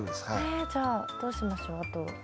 えじゃあどうしましょうあと。